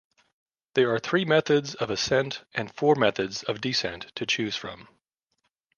There are three methods of ascent and four methods of descent to choose from.